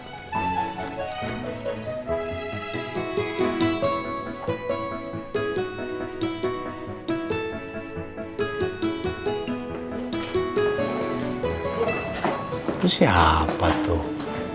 itu siapa tuh